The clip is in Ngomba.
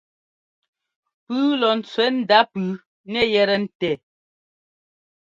Pʉ́ʉ lɔ ńtsẅɛ́ ndá pʉ́ʉ nɛ yɛtɛ ńtɛ́.